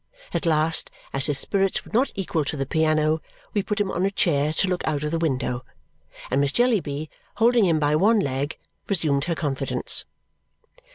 At last, as his spirits were not equal to the piano, we put him on a chair to look out of window; and Miss Jellyby, holding him by one leg, resumed her confidence.